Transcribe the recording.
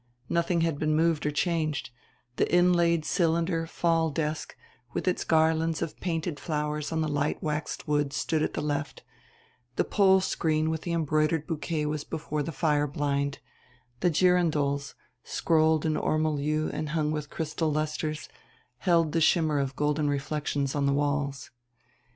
Nothing had been moved or changed: the inlaid cylinder fall desk with its garlands of painted flowers on the light waxed wood stood at the left, the pole screen with the embroidered bouquet was before the fire blind, the girandoles, scrolled in ormolu and hung with crystal lusters, held the shimmer of golden reflections on the walls.